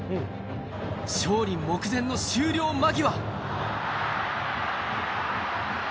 勝利目前の終了間際。